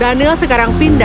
danial sekarang pindah